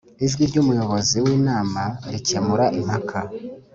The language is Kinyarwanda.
ijwi ry Umuyobozi w inama rikemura impaka